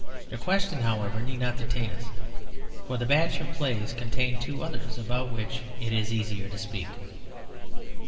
The question, however, need not detain us, for the batch of plays contained two others about which it is easier to speak.